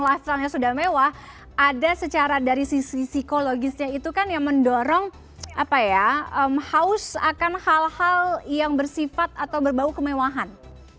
kalau memang lah selain sudah mewah ada secara dari sisi psikologisnya itu kan yang mendorong apa ya haus akan hal hal yang bersifat atau berbau kemewahan